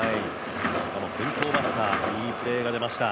吉川、先頭バッター、いいプレーが出ました。